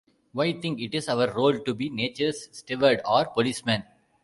Why think it is our role to be nature's steward or policeman?